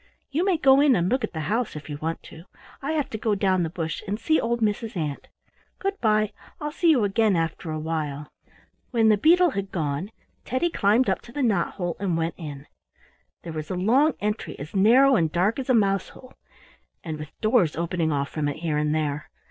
You may go in and look at the house, if you want to. I have to go down the bush and see old Mrs. Ant. Good bye! I'll see you again after a while." When the beetle had gone, Teddy climbed up to the knot hole and went in. There was a long entry as narrow and dark as a mouse hole, and with doors opening off from it here and there.